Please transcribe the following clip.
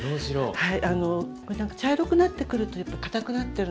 はい。